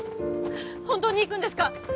本当に行くんですか？